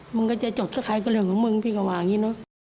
มันก็จะจบใส่ใครก็เลือกของมึงพี่ก็ว่าอย่างนี้